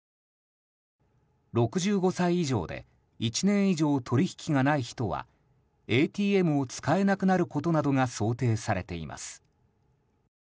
６５歳以上で１年以上取引がない人はＡＴＭを使えなくなることなどが想定されています。